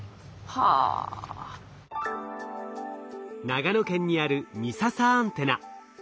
長野県にある美笹アンテナ。